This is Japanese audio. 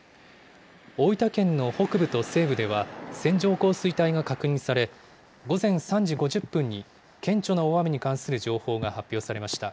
大分県の北部と西部では、線状降水帯が確認され、午前３時５０分に顕著な大雨に関する情報が発表されました。